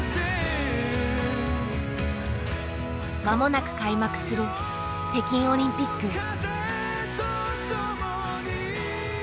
間もなく開幕する北京オリンピック。